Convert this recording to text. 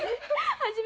初め